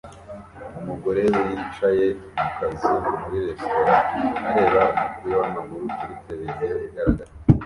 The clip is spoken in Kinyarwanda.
Umugore wicaye mu kazu muri resitora areba umupira wamaguru kuri televiziyo igaragara